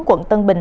quận tân bình